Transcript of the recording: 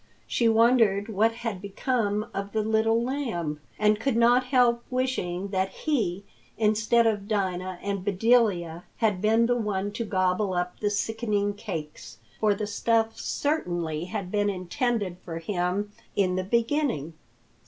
She wondered what had become of the Little Lamb, and could not help wishing that he, instead of Dinah and Bedelia, had been the one to gobble up the sickening cakes, for the stuff certainly had been intended for him in the beginning.